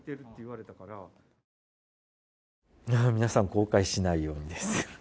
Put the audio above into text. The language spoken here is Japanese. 皆さん後悔しないようにです。